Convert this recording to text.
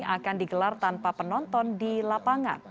akan digelar tanpa penonton di lapangan